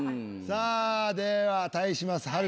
さあでは対します